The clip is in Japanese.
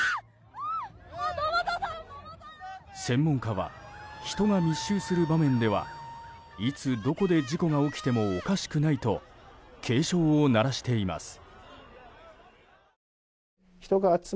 専門家は人が密集する場面ではいつ、どこで事故が起きてもおかしくないと警鐘を鳴らしています。